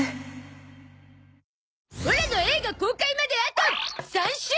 オラの映画公開まであと３週！